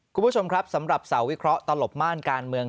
คุณผู้ชมครับสำหรับเสาวิเคราะห์ตลบม่านการเมือง